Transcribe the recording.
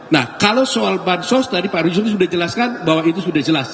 nah kalau soal bansos tadi pak rusun sudah jelaskan bahwa itu sudah jelas